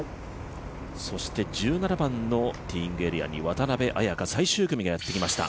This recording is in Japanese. １７番のティーイングエリアに渡邉彩香、最終組がやってきました。